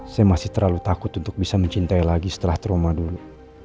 saya masih terlalu takut untuk bisa mencintai lagi setelah trauma dulu